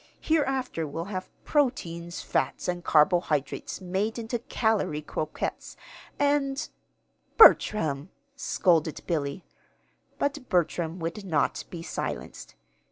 Hereafter we'll have proteins, fats, and carbohydrates made into calory croquettes, and " "Bertram!" scolded Billy. But Bertram would not be silenced.